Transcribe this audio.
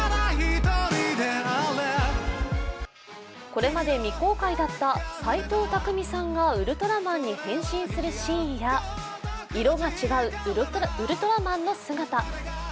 これまで未公開だった斎藤工さんがウルトラマンに変身するシーンや色が違うウルトラマンの姿。